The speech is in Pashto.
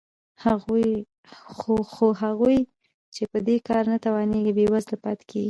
خو هغوی چې په دې کار نه توانېږي بېوزله پاتې کېږي